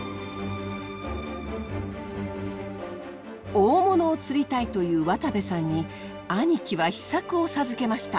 大物を釣りたいという渡部さんに兄貴は秘策を授けました。